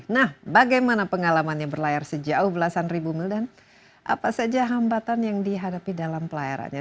nah bagaimana pengalamannya berlayar sejauh belasan ribu mil dan apa saja hambatan yang dihadapi dalam pelayarannya